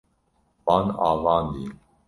Wan avandiye.